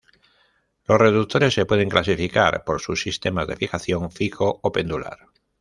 Los reductores se pueden clasificar por sus sistema de fijación, fijo o pendular.